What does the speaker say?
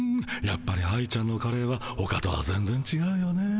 やっぱり愛ちゃんのカレーはほかとは全ぜんちがうよね。